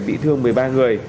bị thương một mươi ba người